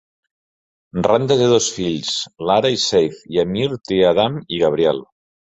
Randa té dos fills, Lara i Seif, i Amir té a Adam i Gabriel.